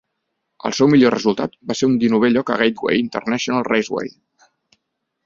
El seu millor resultat va ser un dinovè lloc a Gateway International Raceway.